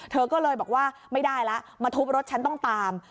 เธอก็เลยบอกว่าไม่ได้แล้วมาทุบรถฉันต้องตาม